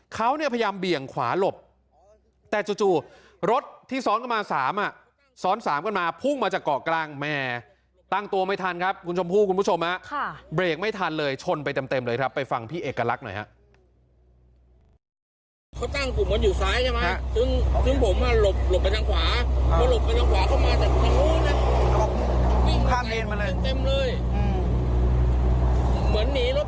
ขอบคุณผู้ชมฮะเบรกไม่ทันเลยชนไปเต็มเลยครับไปฟังพี่เอกลักษณ์หน่อยฮะ